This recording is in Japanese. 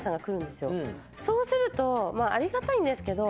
そうするとありがたいんですけど。